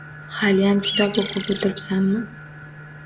Haliyam kitob o'qib o'tiribsanmi?